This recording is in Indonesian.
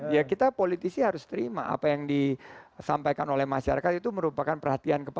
ya kita politisi harus terima apa yang disampaikan oleh masyarakat itu merupakan perhatian kepala